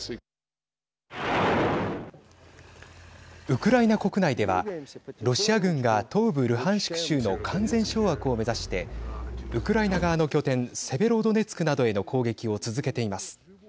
ウクライナ国内ではロシア軍が東部ルハンシク州の完全掌握を目指してウクライナ側の拠点セベロドネツクなどへの攻撃を続けています。